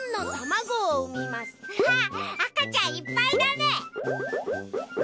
わああかちゃんいっぱいだね。